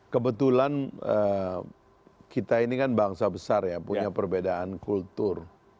kebetulan kita ini kan bangsa besar ya punya perbedaan kultur